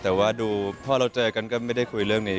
แต่ว่าดูพอเราเจอกันก็ไม่ได้คุยเรื่องนี้